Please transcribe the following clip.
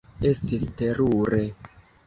Estis terure.